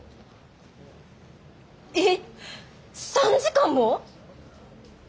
えっ３時間も！？